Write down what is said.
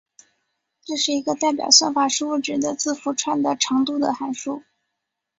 这是一个代表算法输入值的字符串的长度的函数。